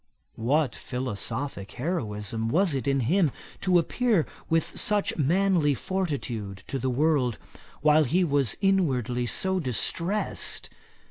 What philosophick heroism was it in him to appear with such manly fortitude to the world, while he was inwardly so distressed!